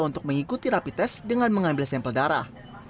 untuk mengikuti rapi tes dengan mengambil sampel darah